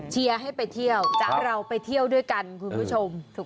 เชียร์ให้ไปเที่ยวจะให้เราไปเที่ยวด้วยกันคุณผู้ชม